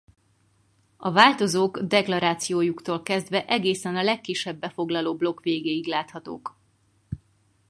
A változók deklarációjuktól kezdve egészen a legkisebb befoglaló blokk végéig láthatók.